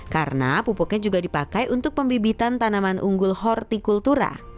karena pupuknya juga dipakai untuk pembibitan tanaman unggul hortikultura